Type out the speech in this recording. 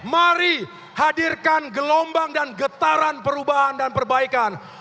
mari hadirkan gelombang dan getaran perubahan dan perbaikan